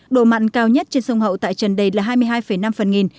độ mặn cao nhất trên sông hậu tại trần đầy là hai mươi hai năm phần nghìn